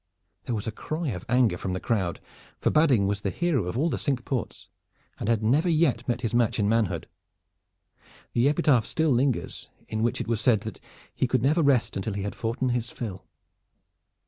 There was a cry of anger from the crowd, for Badding was the hero of all the Cinque Ports and had never yet met his match in manhood. The epitaph still lingers in which it was said that he "could never rest until he had foughten his fill."